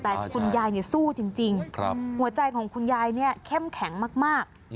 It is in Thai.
แต่คุณยายสู้จริงหัวใจของคุณยายเนี่ยเข้มแข็งมาก